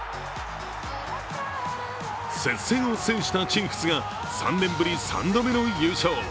接戦を制したチーフスが３年ぶり３度目の優勝。